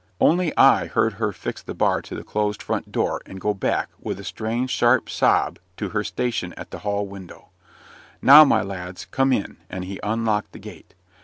Only I heard her fix the bar to the closed front door, and go back, with a strange, sharp sob, to her station at the hall window. "Now, my lads, come in!" and he unlocked the gate.